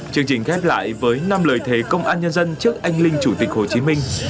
chương trình khép lại với năm lời thề công an nhân dân trước anh linh chủ tịch hồ chí minh